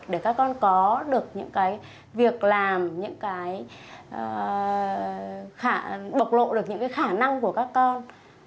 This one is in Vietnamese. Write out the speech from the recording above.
để các con có được những cái việc làm những cái bộc lộ được những cái khả năng của các con